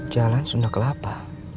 jalan sunda kelapa